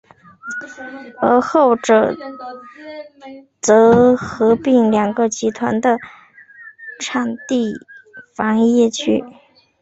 而后者则合并两个集团的房地产业务。